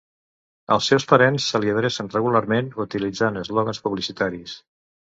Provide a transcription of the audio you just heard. Els seus parents se li adrecen regularment utilitzant eslògans publicitaris.